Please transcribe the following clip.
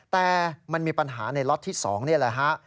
แต่มันมีปัญหาในล็อตที่๒นี่แหละฮะ